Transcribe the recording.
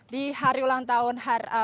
di hari ulang tahun